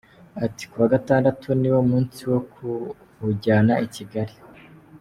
Ati “Kuwa Gatandatu ni wo munsi wo kuwujyana i Kigali.”